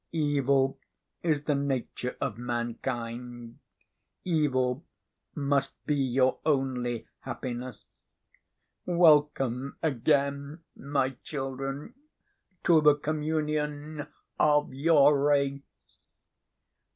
Evil is the nature of mankind. Evil must be your only happiness. Welcome again, my children, to the communion of your race."